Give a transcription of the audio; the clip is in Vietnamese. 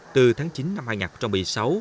từ tháng chín năm hai nghìn một mươi sáu